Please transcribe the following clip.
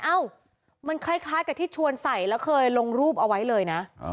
เอ้ามันคล้ายกับที่ชวนใส่แล้วเคยลงรูปเอาไว้เลยนะ